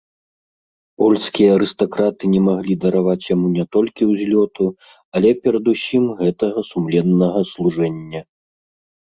Польскія арыстакраты не маглі дараваць яму не толькі ўзлёту, але перадусім гэтага сумленнага служэння.